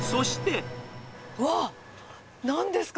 うわっ、なんですか？